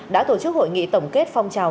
đã tổ chức hội nghị tổng kết phong trào